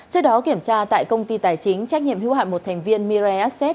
trước đó kiểm tra tại công ty tài chính trách nhiệm hưu hạn một thành viên mirai asset